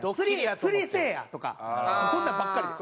「釣りせえや！」とかそんなのばっかりです。